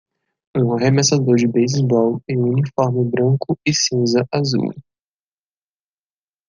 Um arremessador de beisebol em um uniforme branco e cinza azul.